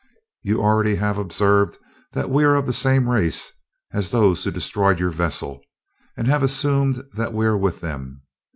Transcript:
You already have observed that we are of the same race as those who destroyed your vessel, and have assumed that we are with them.